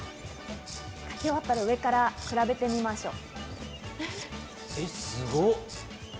書き終わったら上から比べてみましょう。